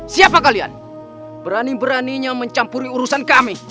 siapa kalian berani beraninya mencampuri urusan kami